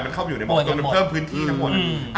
มันเข้าไปอยู่ในเมืองจนมันเพิ่มพื้นที่ทั้งหมด